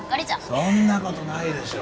そんなことないでしょう。